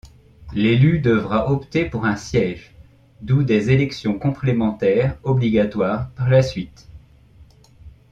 L'élu devra opter pour un siège, d'où des élections complémentaires obligatoires par la suite.